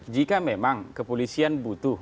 jika memang kepolisian butuh